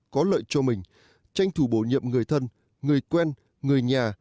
có lợi cho mình tranh thủ bổ nhiệm người thân người quen người nhà